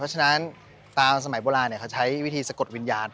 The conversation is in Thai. ชื่องนี้ชื่องนี้ชื่องนี้ชื่องนี้ชื่องนี้ชื่องนี้